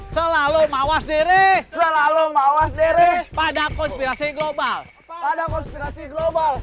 selalu mawas diri selalu mawas diri pada konspirasi global pada konspirasi global